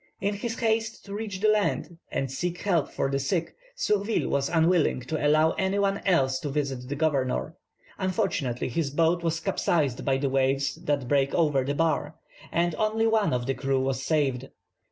In his haste to reach the land, and seek help for his sick, Surville was unwilling to allow any one else to visit the governor. Unfortunately his boat was capsized by the waves that break over the bar, and only one of the crew was saved.